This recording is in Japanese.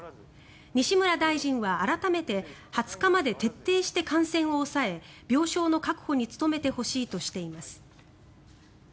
西村大臣は改めて２０日まで徹底して感染を抑え、病床の確保に努めてほしいとしています。